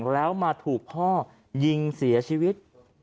แล้วมาถูกพ่อยิงเสียชีวิต